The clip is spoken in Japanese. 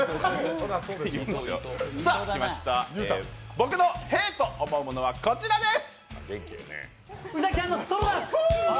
僕のへぇと思うものはこちらです。